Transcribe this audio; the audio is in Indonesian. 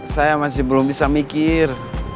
saya masih belum bisa mikir